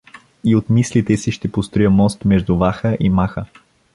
И от мислите си ще построя мост между Ваха и Маха.